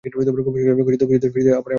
খুঁজিতে খুঁজিতে দুজনে আবার ঘাটে ফিরিয়া যায়।